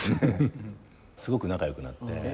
すごく仲良くなって。